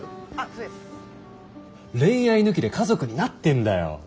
恋愛抜きで家族になってんだよ。